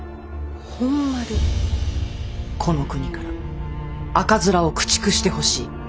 この国から赤面を駆逐してほしい。